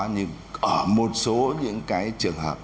nhưng ở một số những cái trường hợp